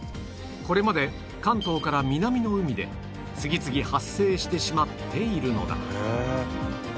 これまで関東から南の海で次々発生してしまっているのだ